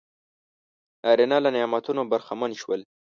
نارینه له نعمتونو برخمن شول.